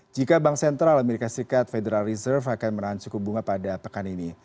jika bank sentral as federal reserve akan menahan cukup bunga pada pekan ini